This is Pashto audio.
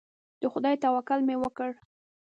د خدای توکل مې وکړ.